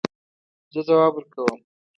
زه ځواب ورکوم